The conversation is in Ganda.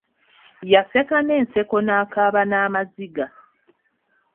Yaseka n'enseko n'akaaba n'amaziga.